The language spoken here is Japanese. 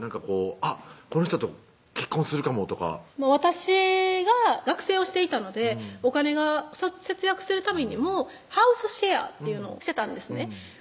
「あっこの人と結婚するかも」とか私が学生をしていたのでお金が節約するためにもハウスシェアっていうのをしてたんですね